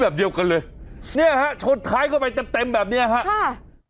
แบบเดียวกันเลยเนี่ยฮะชนท้ายเข้าไปเต็มเต็มแบบเนี้ยฮะค่ะ